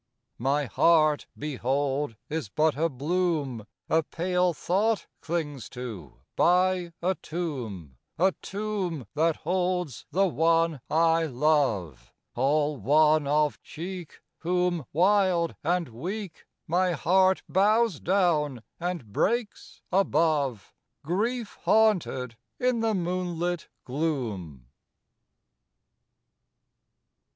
IV My heart, behold, is but a bloom A pale thought clings to by a tomb, A tomb that holds the one I love, All wan of cheek, Whom, wild and weak, My heart bows down and breaks above, Grief haunted in the moonlit gloom.